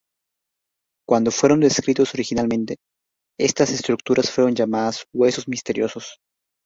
Cuando fueron descritos originalmente, estas estructuras fueron llamadas "huesos misteriosos".